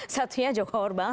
satunya jokower banget